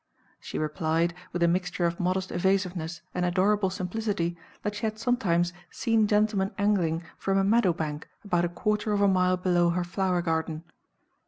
She replied, with a mixture of modest evasiveness and adorable simplicity, that she had sometimes seen gentlemen angling from a meadow bank about a quarter of a mile below her flower garden.